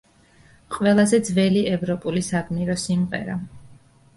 ყველაზე ძველი ევროპული საგმირო სიმღერა.